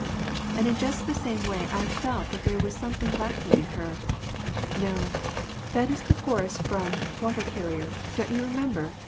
" And in just the same way I felt that there was something lacking in her. — No ! that is the chorus from the * Water Car rier,' * don't you remember